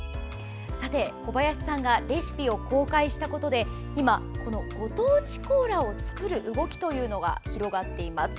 さて、小林さんがレシピを公開したことで今、ご当地コーラを作る動きが広がっています。